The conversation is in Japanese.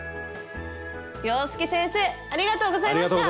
洋輔先生ありがとうございました！